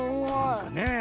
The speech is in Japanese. なんかねえ。